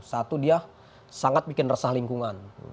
satu dia sangat bikin resah lingkungan